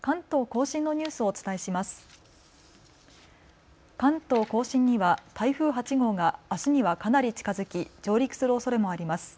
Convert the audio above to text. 甲信には台風８号があすにはかなり近づき上陸するおそれもあります。